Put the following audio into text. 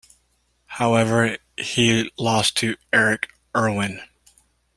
However, he lost to Eric Irwin.